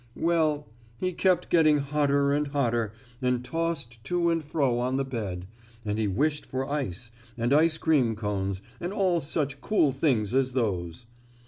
Well, he kept getting hotter and hotter, and tossed to and fro on the bed, and he wished for ice, and ice cream cones and all such cool things as those.